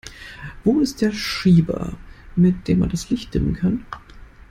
Wo ist der Schieber, mit dem man das Licht dimmen kann?